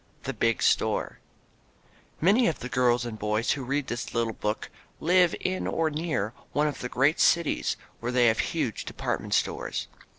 "_ THE BIG STORE Many of the girls and boys who read this little book live in or near one of the great cities where they have huge department stores.